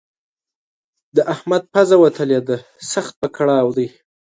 د احمد پزه وتلې ده؛ سخت په کړاو دی.